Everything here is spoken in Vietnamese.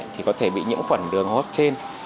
thì có thể bị nhiễm khuẩn đường hô hấp trên